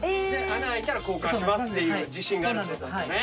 穴開いたら交換しますっていう自信があるってことなんですよね。